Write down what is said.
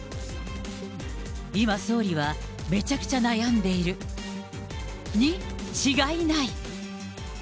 今、総理は、めちゃくちゃ悩んでいる、に違いない。